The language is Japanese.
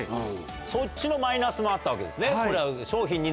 そっちのマイナスもあったわけですね。